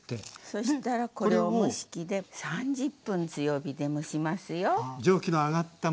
そしたらこれを蒸し器で３０分強火で蒸しますよ。